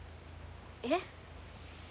えっ。